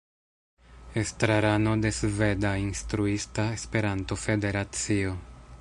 Estrarano de Sveda Instruista Esperanto-Federacio.